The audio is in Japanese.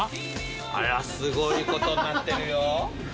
ありゃ、すごいことになってるよ。